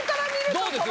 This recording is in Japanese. どうです？